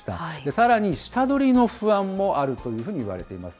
さらに下取りの不安もあるというふうにいわれています。